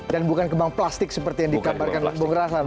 dan bukan kebang plastik seperti yang dikabarkan bung raslan